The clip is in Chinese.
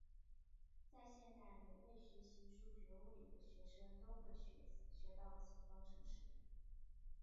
在现代每位学习数学物理的学生都会学到此方程式。